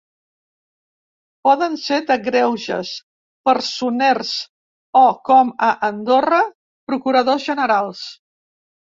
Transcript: Poden ser de greuges, personers o, com a Andorra, procuradors generals.